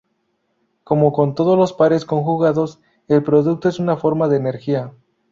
Como con todos los pares conjugados, el producto es una forma de energía.